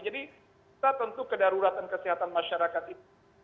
jadi tak tentu kedaruratan kesehatan masyarakat itu